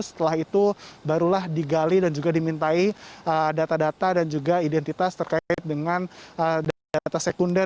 setelah itu barulah digali dan juga dimintai data data dan juga identitas terkait dengan data sekunder